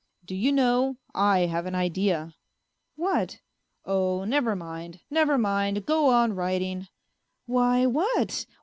" Do you know, I have an idea "" What ?"" Oh, never mind, never mind ; go on writing." " Why, what